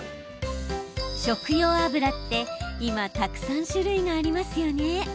食用油って、今たくさん種類がありますよね。